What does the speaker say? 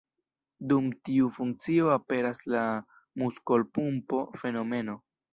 Dum tiu funkcio aperas la „muskolpumpo”-fenomeno.